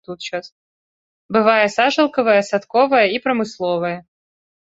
Бывае сажалкавае, садковае і прамысловае.